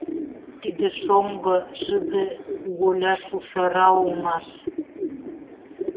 Тиде шоҥго, шыде куголя Шушара улмаш.